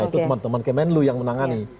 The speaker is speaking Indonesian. itu teman teman kemenlu yang menangani